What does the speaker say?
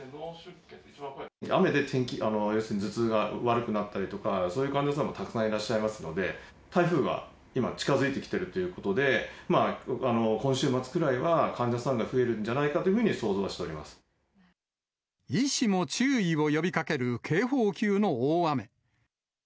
雨で、要するに頭痛が悪くなったりとか、そういう患者さんもたくさんいらっしゃいますので、台風が今、近づいてきているということで、今週末くらいは患者さんが増えるんじゃないかというふうに想像は医師も注意を呼びかける警報級の大雨。